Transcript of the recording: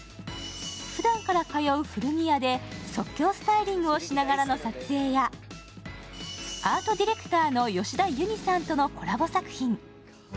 ふだんから通う古着屋で即興スタイリングをしながらの撮影や、アートディレクターの吉田ユニさんとのコラボ作品。